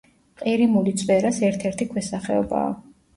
ყირიმული წვერას ერთ-ერთი ქვესახეობაა.